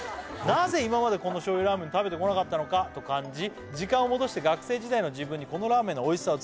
「なぜ今までこの醤油ラーメン食べてこなかったのかと感じ」「時間を戻して学生時代の自分にこのラーメンのおいしさを」